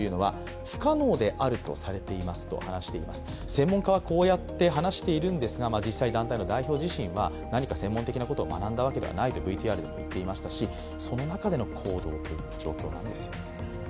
専門家はこうやって話しているんですが、実際に団体の代表自身は何か専門的なことを学んだわけではないとＶＴＲでも言っていましたし、その中での行動という状況です。